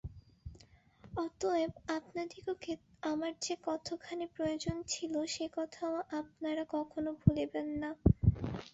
অতএব আপনাদিগকে আমার যে কতখানি প্রয়োজন ছিল সে কথাও আপনারা কখনো ভুলিবেন না।